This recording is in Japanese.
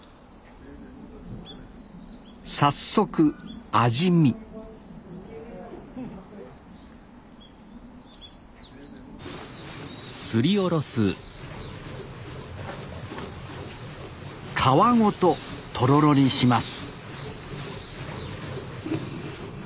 早速味見皮ごととろろにします